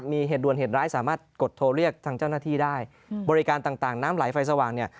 มีเหตุด่วนเหตุร้ายสามารถกดโทรเรียกทางเจ้าหน้าที่ได้บริการต่างน้ำไหลไฟสว่างเนี่ย